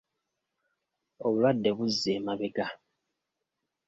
Obulwadde buzza emabega.